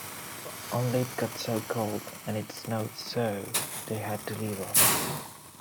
Only it got so cold, and it snowed so, they had to leave off.